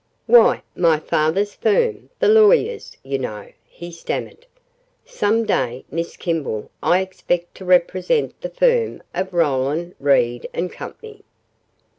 "Why, my father's firm, the lawyers, you know," he stammered. "Some day, Miss Kimball, I expect to represent the firm of Roland, Reed & Company."